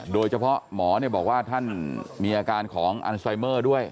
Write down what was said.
โดยเฉพาะหมอบอกว่าท่านมีอาการของอันไซเมอร์ด้วย